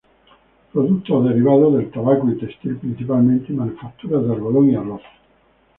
Productos derivados del tabaco y textil principalmente y manufacturas de algodón y arroz.